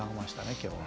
今日は。